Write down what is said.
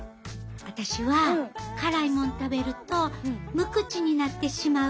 私は辛いもん食べると無口になってしまう。